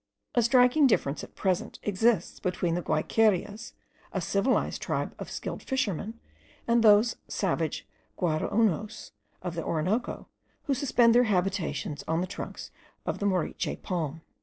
A striking difference at present exists between the Guayquerias, a civilized tribe of skilled fishermen, and those savage Guaraounos of the Orinoco, who suspend their habitations on the trunks of the Moriche palm.